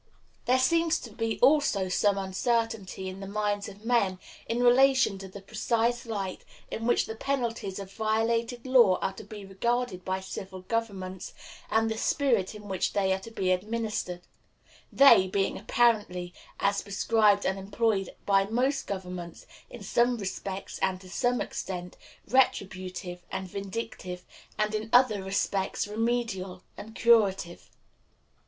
There seems to be also some uncertainty in the minds of men in relation to the precise light in which the penalties of violated law are to be regarded by civil governments, and the spirit in which they are to be administered they being apparently, as prescribed and employed by most governments, in some respects, and to some extent, retributive and vindictive, and in other respects remedial and curative.